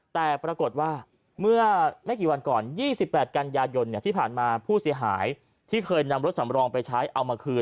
แต่ปรากฏว่าเมื่อไม่กี่วันก่อน๒๘กันยายนที่ผ่านมาผู้เสียหายที่เคยนำรถสำรองไปใช้เอามาคืน